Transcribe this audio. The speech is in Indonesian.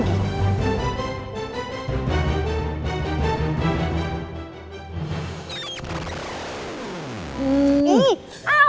lagi lagi dia mau ke rumah